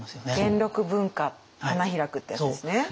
元禄文化花開くっていうやつですね。